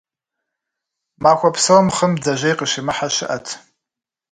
Махуэ псом хъым бдзэжьей къыщимыхьэ щыӏэт.